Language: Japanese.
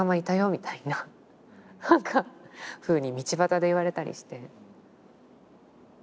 みたいななんかふうに道端で言われたりして。